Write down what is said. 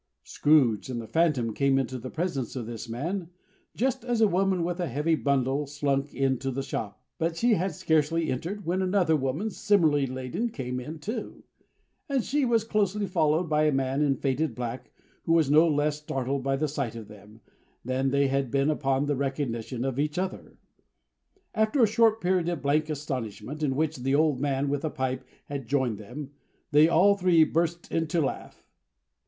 Scrooge and the Phantom came into the presence of this man, just as a woman with a heavy bundle slunk into the shop. But she had scarcely entered, when another woman, similarly laden, came in too; and she was closely followed by a man in faded black, who was no less startled by the sight of them, than they had been upon the recognition of each other. After a short period of blank astonishment, in which the old man with a pipe had joined them, they all three burst into a laugh.